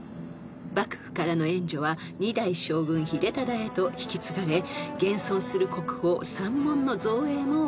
［幕府からの援助は２代将軍秀忠へと引き継がれ現存する国宝三門の造営も行われました］